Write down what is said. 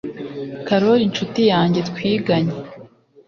karoli nshuti yanjye twiganye